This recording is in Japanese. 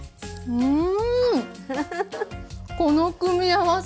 うん。